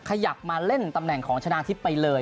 ขยับมาเล่นตำแหน่งของชนะทิพย์ไปเลย